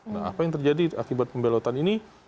nah apa yang terjadi akibat pembelotan ini